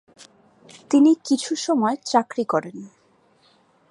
তিনি কিছু সময় চাকরি করেন।